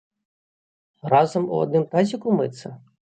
Разам у адным тазіку мыцца?